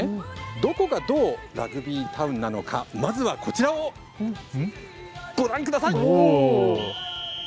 どこがどうラグビータウンなのか、まずはこちらをご覧ください。